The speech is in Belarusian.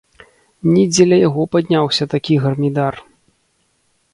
Ні дзеля яго падняўся такі гармідар.